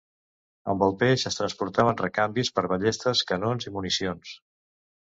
Amb el peix es transportaven recanvis per ballestes, canons i municions.